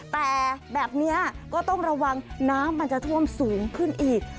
แต่แบบนี้ก็ต้องระวังน้ำมันจะท่วมสูงขึ้นอีก